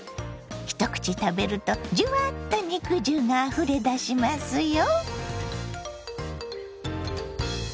一口食べるとじゅわっと肉汁があふれ出しますよ。